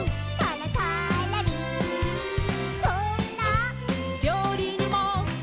「どんな」「料理にも」